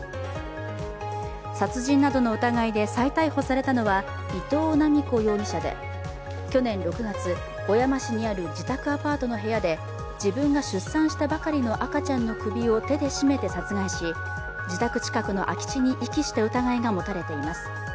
殺人などの疑いで再逮捕されたのは伊藤七美子容疑者で去年６月、小山市にある自宅アパートの部屋で自分が出産したばかりの赤ちゃんの首を手で絞めて殺害し、自宅近くの空き地に遺棄した疑いが持たれています。